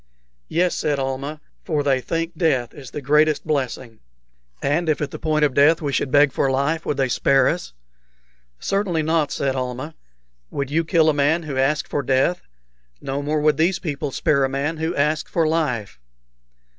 "Yes," said Almah; "for they think death the greatest blessing." "And if at the point of death we should beg for life, would they spare us?" "Certainly not," said Almah. "Would you kill a man who asked for death? No more would these people spare a man who asked for life."